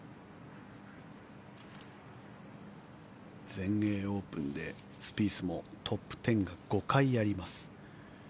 全英オープンでスピースもトップ１０が５回あります。